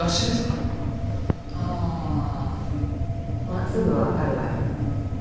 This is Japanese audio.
あまあすぐ分かるわよ。